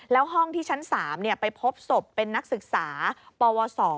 แล้วห้องที่ชั้น๓ไปพบศพเป็นนักศึกษาปวส